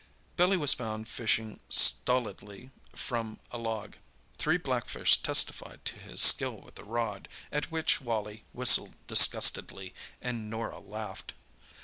Billy was found fishing stolidly from a log. Three blackfish testified to his skill with the rod, at which Wally whistled disgustedly and Norah laughed.